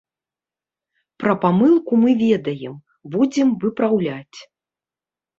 Пра памылку мы ведаем, будзем выпраўляць.